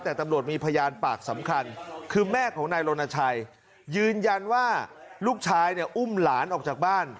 แต่ตำรวจมีพยานปากสำคัญคือแม่ของนายรณชัยยืนยันว่าลูกชายเนี่ยอุ้มหลานออกจากบ้าน